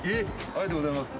ありがとうございます。